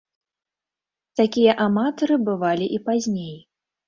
Такія аматары бывалі і пазней.